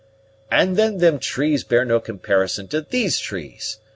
"And then them trees bear no comparison to these trees.